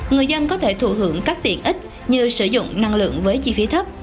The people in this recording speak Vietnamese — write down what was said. người dân có thể thụ hưởng các tiện ích như sử dụng năng lượng với chi phí thấp